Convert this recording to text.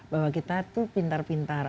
bahwa kita tuh pintar pintar